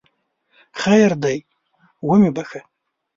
خیر دی ومې بخښه!